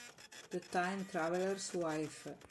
The Time Traveler's Wife